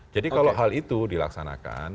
jadi kalau hal itu dilaksanakan